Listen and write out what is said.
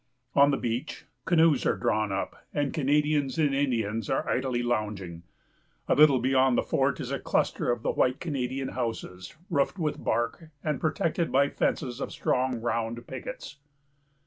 On the beach, canoes are drawn up, and Canadians and Indians are idly lounging. A little beyond the fort is a cluster of the white Canadian houses, roofed with bark, and protected by fences of strong round pickets.